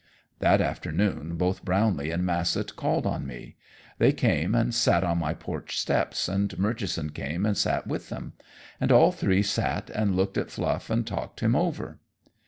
That afternoon both Brownlee and Massett called on me. They came and sat on my porch steps, and Murchison came and sat with them, and all three sat and looked at Fluff and talked him over.